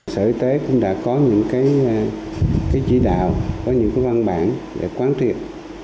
sở y tế cũng đã có những cái chỉ đạo có những cái văn bản để quán thiện